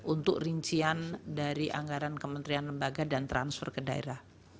untuk rincian dari anggaran kementerian lembaga dan transfer ke daerah